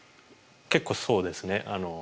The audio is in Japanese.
結構そうですね。